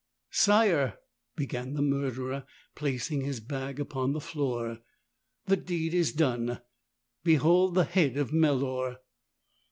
"Sire," began the murderer, placing his bag upon the floor, "the deed is done. Behold the head of Melor!"